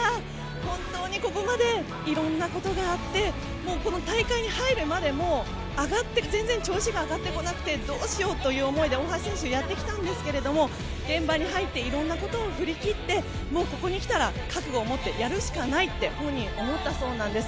本当にここまで色んなことがあってもうこの大会に入るまでも全然調子が上がってこなくてどうしようという思いで大橋選手、やってきたんですが現場に入って色んなことを振り切ってここに来たら覚悟を持ってやるしかないと本人、思ったそうなんです。